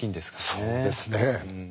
そうですね。